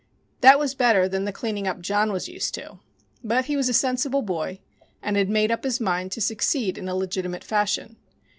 That was better than the cleaning up John was used to. But he was a sensible boy and had made up his mind to succeed in a legitimate fashion.